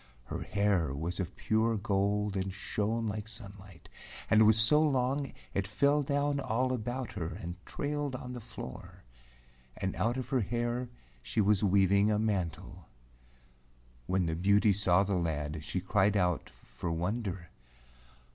Her hair was of pure gold and shone like sunlight, and it was so long it fell down all about her and trailed on the floor, and out of her hair she was weaving a mantle. When the beauty saw the lad she cried out loud for wonder.